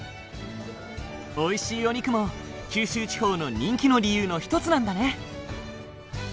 おいしいお肉も九州地方の人気の理由の一つなんだね。